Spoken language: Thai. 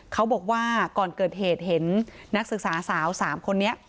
เขาบอกว่าก่อนเกิดเหตุเห็นนักศึกษาสาว๓คนนี้